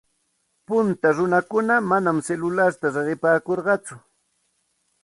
Punta runakuna manam silularta riqipaakurqatsu.